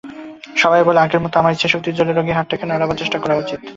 সবাই বললেন, আগের মতো আমার ইচ্ছাশক্তির জোরে রোগীর হাতটাকে নড়াবার চেষ্টা করা উচিত।